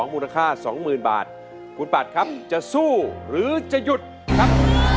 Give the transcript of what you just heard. มูลค่า๒๐๐๐บาทคุณปัดครับจะสู้หรือจะหยุดครับ